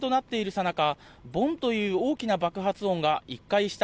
さなか、ぼんという大きな爆発音が１回した。